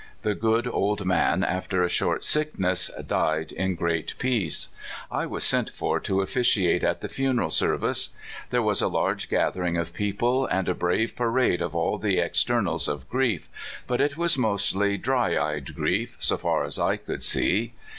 The good old man, after a short sickness, died in great peace. I was sent for to officiate at the funeral service. There was a large gathering of people, and a brave parade of all the externals of grief, but it was mostly dry eyed grief, so far as I could see.